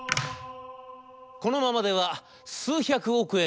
このままでは数百億円が水の泡。